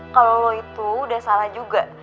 kalau lo itu udah salah juga